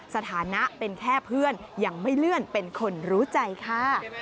สถานะเป็นแค่เพื่อนยังไม่เลื่อนเป็นคนรู้ใจค่ะ